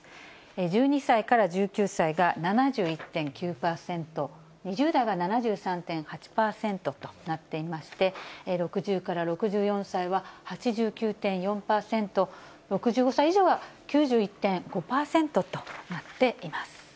１２歳から１９歳が７１．９％、２０代は７３．８％となっていまして、６０から６４歳は８９．４％、６５歳以上は９１．５％となっています。